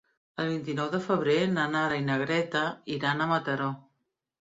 El vint-i-nou de febrer na Nara i na Greta iran a Mataró.